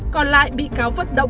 còn lại bị cáo vất động